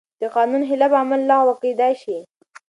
د قانون خلاف عمل لغوه کېدای شي.